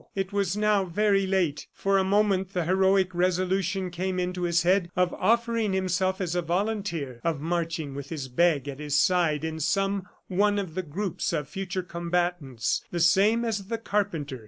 It was now very late. For a moment the heroic resolution came into his head of offering himself as a volunteer, of marching with his bag at his side in some one of the groups of future combatants, the same as the carpenter.